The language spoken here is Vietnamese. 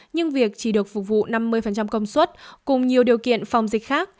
nhưng việc chỉ được phục vụ năm mươi công suất cùng nhiều điều kiện phòng dịch khác